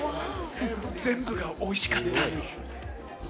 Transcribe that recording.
全部がおいしかった。